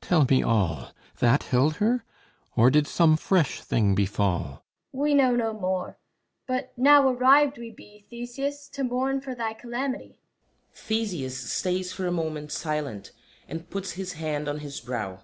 Tell me all That held her? Or did some fresh thing befall? LEADER We know no more. But now arrived we be, Theseus, to mourn for thy calamity. [THESEUS _stays for a moment silent, and puts his hand on his brow.